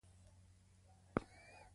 چا وویل چې دا ډېره زړه وره ده؟